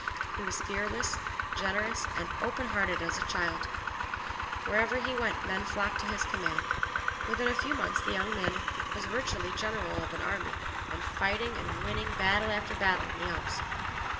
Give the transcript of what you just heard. He was fearless, generous, and as open hearted as a child; wherever he went men flocked to his command; within a few months the young man was virtually general of an army, and fighting and winning battle after battle in the Alps.